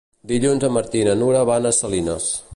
Dilluns en Martí i na Nura van a Salines.